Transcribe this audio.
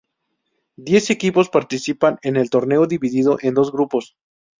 Diez equipos participan en el torneo, dividido en dos grupos.